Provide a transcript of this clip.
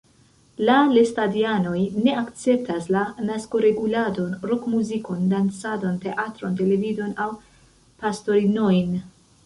La lestadianoj ne akceptas la naskoreguladon, rok-muzikon, dancadon, teatron, televidon aŭ pastorinojn.